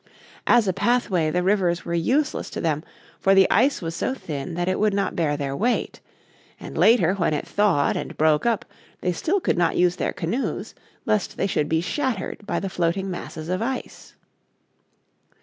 As a pathway the rivers were useless to them, for the ice was so thin that it would not bear their weight. And later when it thawed and broke up they still could not use their canoes lest they should be shattered by the floating masses of ice.